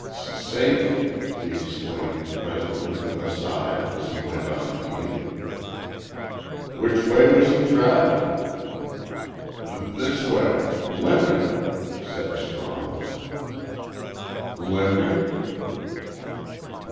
"S safe!" he exclaimed, presently, with a sigh, as he went on eating. "Which way was he travelling?" "Th this way limpin'," said Strong. "Limping?"